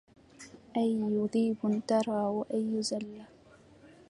أي ذنب ترى وأية زله